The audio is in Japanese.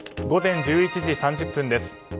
午前１１時３０分です。